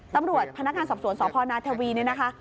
ตำรวจพนักงานสับสวนสพนาทวีนเนี่ยนะคะ